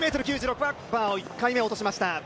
１ｍ９６、バーを１回目落としました。